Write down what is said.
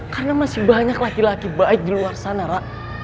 karena masih banyak laki laki baik di luar sana rara